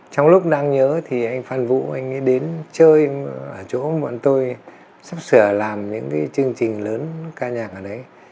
trong lúc đang nhớ thì anh phan vũ anh ấy đến chơi ở chỗ bọn tôi sắp sửa làm những cái chương trình lớn ca nhạc ở đấy